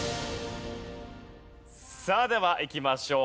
さあではいきましょう。